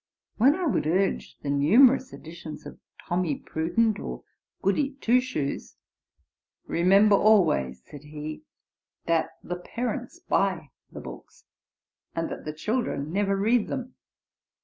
When I would urge the numerous editions of Tommy Prudent or Goody Two Shoes; "Remember always," said he, "that the parents buy the books, and that the children never read them.'"